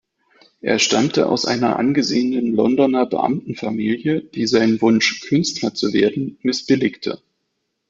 Er stammte aus einer angesehenen Londoner Beamtenfamilie, die seinen Wunsch Künstler zu werden, missbilligte.